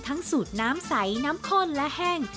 สูตรน้ำใสน้ำข้นและแห้ง